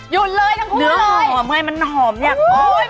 อยุ่เลยทั้งคู่เลยอ๋อมันหอมอย่างจริง